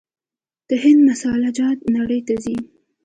د هند مساله جات نړۍ ته ځي.